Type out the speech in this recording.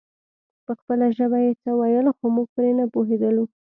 په خپله ژبه يې څه ويل خو موږ پرې نه پوهېدلو.